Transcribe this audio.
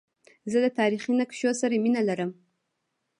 زه د تاریخي نقشو سره مینه لرم.